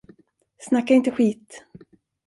Snacka inte skit!